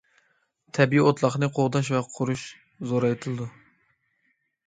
تەبىئىي ئوتلاقنى قوغداش ۋە قۇرۇش زورايتىلىدۇ.